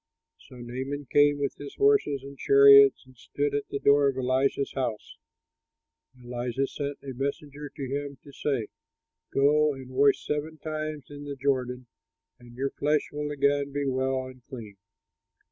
So Naaman came with his horses and chariots and stood at the door of Elisha's house. And Elisha sent a messenger to him to say, "Go and wash seven times in the Jordan and your flesh will again be well and clean."